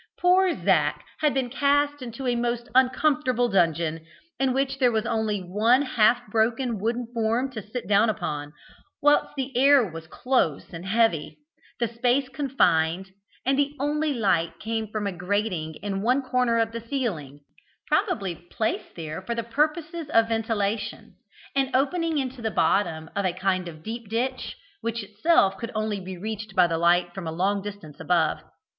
Poor Zac had been cast into a most uncomfortable dungeon, in which there was only one half broken wooden form to sit down upon, whilst the air was close and heavy, the space confined, and the only light came from a grating in one corner of the ceiling, probably placed there for the purposes of ventilation, and opening into the bottom of a kind of deep ditch, which itself could only be reached by the light from a long distance above.